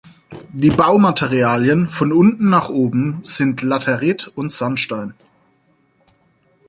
Die Baumaterialien, von unten nach oben, sind Laterit und Sandstein.